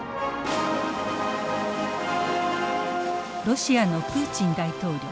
ロシアのプーチン大統領。